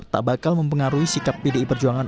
tak bakal mempengaruhi sikap pdi perjuangan